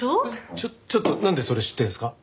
ちょちょっとなんでそれ知ってるんですか？